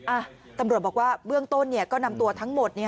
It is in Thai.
อ่ะตำรวจบอกว่าเบื้องต้นก็นำตัวทั้งหมด